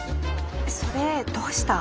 それどうした？